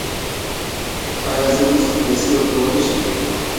ایا زه وروسته پیسې ورکولی شم؟